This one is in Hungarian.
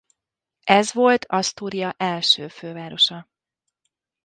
Ez volt Asztúria első fővárosa.